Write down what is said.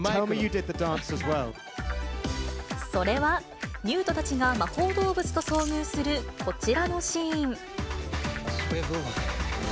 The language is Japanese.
それは、ニュートたちが魔法動物と遭遇する、こちらのシーン。